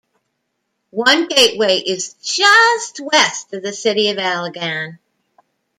One gateway is just west of the city of Allegan.